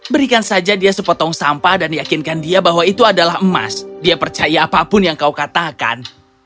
berikan saja dia sepotong sampah dan yakinkan dia bahwa itu adalah emas dia percaya apapun yang kau katakan